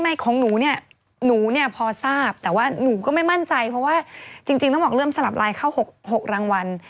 ของหนูเนี่ยหนูเนี่ยพอทราบแต่ว่าหนูก็ไม่มั่นใจเพราะว่าจริงต้องบอกเริ่มสลับลายเข้า๖รางวัล